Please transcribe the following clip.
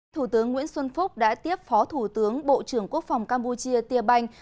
thủ tướng nguyễn xuân phúc đã tiếp phó thủ tướng bộ trưởng quốc phòng campuchia tia banh